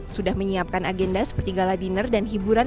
sudah menyiapkan agenda seperti gala dinner dan hiburan